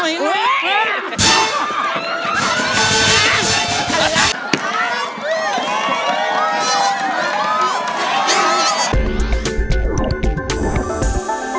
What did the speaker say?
อย่ามาใกล้ไม่เป็นไร